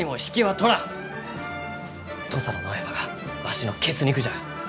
土佐の野山がわしの血肉じゃ。